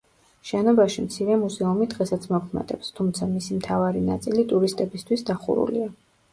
შენობაში მცირე მუზეუმი დღესაც მოქმედებს, თუმცა მისი მთავარი ნაწილი ტურისტებისთვის დახურულია.